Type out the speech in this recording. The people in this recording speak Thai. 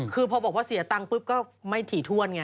คือพอบอกว่าเสียตังค์ปุ๊บก็ไม่ถี่ถ้วนไง